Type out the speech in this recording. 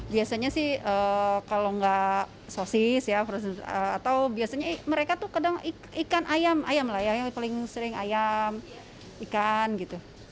biasanya sih kalau gak sosis atau biasanya mereka tuh kadang ikan ayam lah ya paling sering ayam ikan gitu